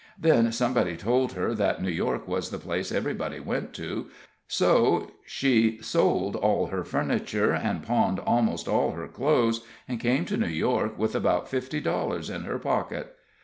Then somebody told her that New York was the place everybody went to, so she sold all her furniture and pawned almost all her clothes, and came to New York with about fifty dollars in her pocket.